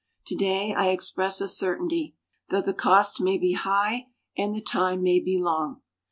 Today I express a certainty though the cost may be high and the time may be long.